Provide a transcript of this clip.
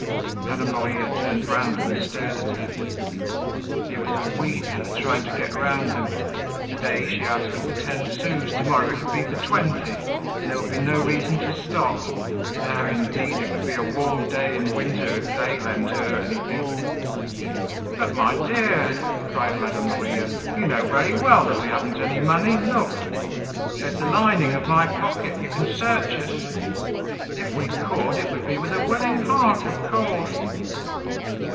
Madame Lorilleux turned round and stared at her. Here was a wheedler trying to get round them. To day she asked them for ten sous, to morrow it would be for twenty, and there would be no reason to stop. No, indeed; it would be a warm day in winter if they lent her anything. "But, my dear," cried Madame Lorilleux. "You know very well that we haven't any money! Look! There's the lining of my pocket. You can search us. If we could, it would be with a willing heart, of course."